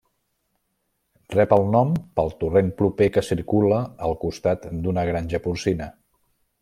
Rep el nom pel torrent proper que circula al costat d'una granja porcina.